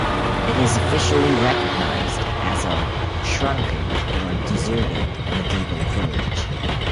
It is officially recognised as a "shrunken or deserted medieval village".